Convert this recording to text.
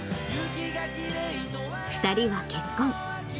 ２人は結婚。